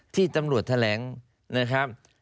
ที่ตำรวจแถลงนะครับ